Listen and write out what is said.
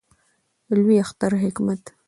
د لوی اختر حکمت